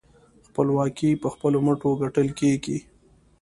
خپلواکي په خپلو مټو ګټل کېږي.